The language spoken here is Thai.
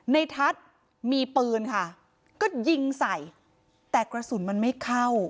ในทัศน์มีปืนค่ะก็ยิงใส่แต่กระสุนมันไม่เข้า